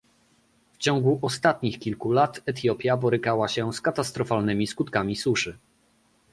W ciągu ostatnich kilku lat Etiopia borykała się z katastrofalnymi skutkami suszy